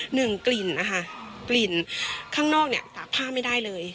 หนึ่งกลิ่นนะคะกลิ่นข้างนอกเนี่ยตากผ้าไม่ได้เลย